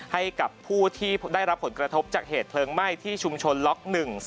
ให้กับผู้ที่ได้รับผลกระทบจากเหตุเพลิงไหม้ที่ชุมชนล็อก๑๒